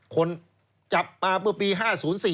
คนจับมาปี๕๐๔๐๐อ่ะ